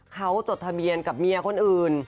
เขาจดทะเบียนกับเมียคนอื่น